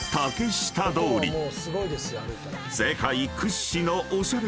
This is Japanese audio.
［世界屈指のおしゃれ